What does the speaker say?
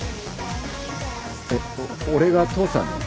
えっ俺が父さんに？